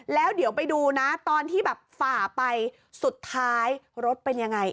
แล้วเดี๋ยวไปดูนะตอนที่แบบฝ่าไปสุดท้ายรถเป็นยังไง